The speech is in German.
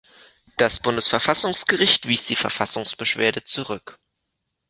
Das Bundesverfassungsgericht wies die Verfassungsbeschwerde zurück.